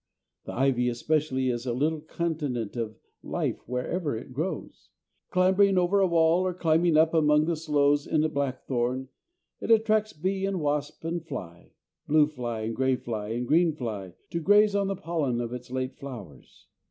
The ivy especially is a little continent of life where ever it grows. Clambering over a wall or climbing up among the sloes in a blackthorn it attracts bee and wasp and fly, blue fly and grey fly and green fly, to graze on the pollen of its late flowers.